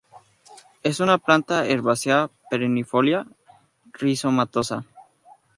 Es una planta herbácea perennifolia, rizomatosa.